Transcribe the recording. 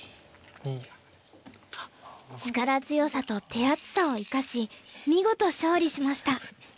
力強さと手厚さを生かし見事勝利しました。